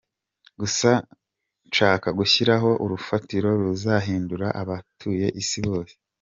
Gusa nshaka gushyiraho urufatiro ruzahindura abatuye Isi bose.